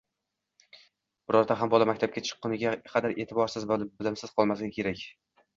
birorta ham bola maktabga chiqquniga qadar e’tiborsiz va bilimsiz qolmasligi kerak.